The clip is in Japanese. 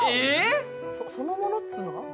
そのものっていうのは？